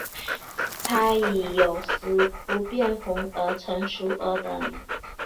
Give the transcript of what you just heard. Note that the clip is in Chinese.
它以有时不变红就成熟而得名。